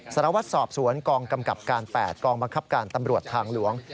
สารวัตรสอบสวนกองกำกับการ๘กองบังคับการตำรวจทางหลวง